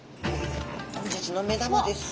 本日の目玉です。